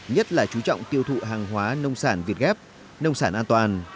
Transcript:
nhất là chú trọng tiêu thụ hàng hóa nông sản việt gáp nông sản an toàn